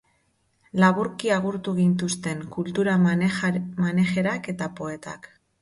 Laburki agurtu gintuzten kultura manajerak eta poetak.